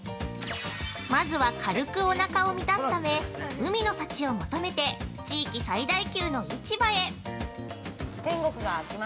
◆まずは軽くおなかを満たすため海の幸を求めて地域最大級の市場へ。